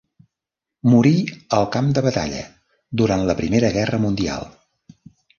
Morí al camp de batalla durant la Primera Guerra Mundial.